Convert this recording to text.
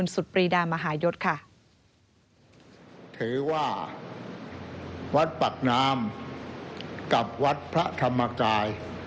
สุดปรีดามหายุทธ์ค่ะ